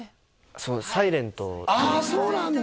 そうです「ｓｉｌｅｎｔ」でああそうなんだ